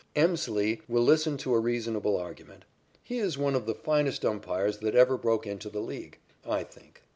Emslie will listen to a reasonable argument. He is one of the finest umpires that ever broke into the League, I think.